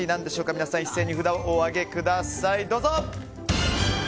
皆さん一斉に札をお上げください。